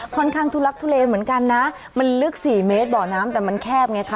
ค่อนข้างทุลักษณ์ทุเรนเหมือนกันนะมันลึกสี่เมตรเบาะน้ำแต่มันแคบไงค่ะ